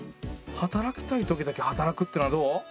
働きたいときだけ働くってのはどう？